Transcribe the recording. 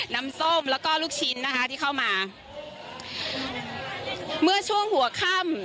น้ำส้มแล้วก็ลูกชิ้นนะคะที่เข้ามาเมื่อช่วงหัวค่ำ